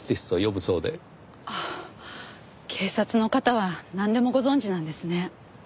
ああ警察の方はなんでもご存じなんですね。